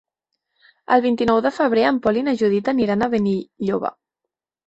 El vint-i-nou de febrer en Pol i na Judit aniran a Benilloba.